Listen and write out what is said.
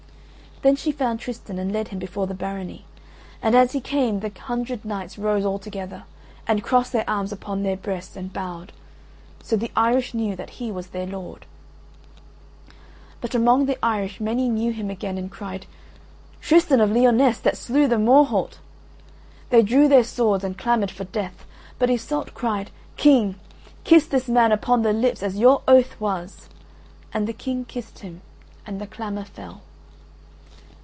Then she found Tristan and led him before the Barony. And as he came the hundred knights rose all together, and crossed their arms upon their breasts and bowed, so the Irish knew that he was their lord. But among the Irish many knew him again and cried, "Tristan of Lyonesse that slew the Morholt!" They drew their swords and clamoured for death. But Iseult cried: "King, kiss this man upon the lips as your oath was," and the King kissed him, and the clamour fell.